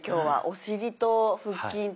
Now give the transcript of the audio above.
お尻と腹筋と。